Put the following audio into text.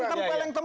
nah ditangis nanti